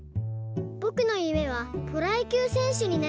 「ぼくのゆめはプロやきゅうせんしゅになることです。